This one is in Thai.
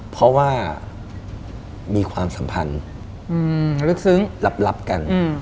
เพราะว่ามีความสัมพันธ์รับกัน